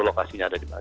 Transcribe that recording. lokasinya ada di mana